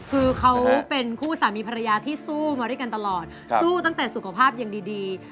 คือเขาเป็นคู่สามีภรรยาที่สู้มาด้วยกันตลอดสู้ตั้งแต่สุขภาพยังดี